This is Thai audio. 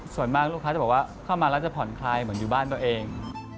ส่วนมากลูกค้าจะบอกว่าเข้ามาแล้วจะผ่อนคลายเหมือนอยู่บ้านตัวเอง